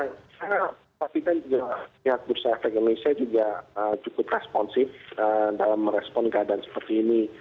karena pasifan pihak bursa efek indonesia juga cukup responsif dalam merespon keadaan seperti ini